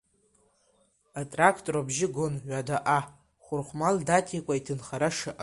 Атрактор абжьы гон ҩадаҟа, Хәырхәмал Даҭикәа иҭынхара шыҟаз.